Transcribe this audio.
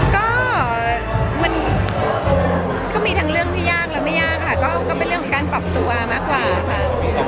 ก็มันก็มีทั้งเรื่องที่ยากและไม่ยากค่ะก็เป็นเรื่องของการปรับตัวมากกว่าค่ะ